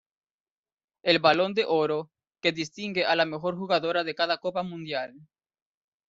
El Balón de Oro, que distingue a la mejor jugadora de cada Copa Mundial.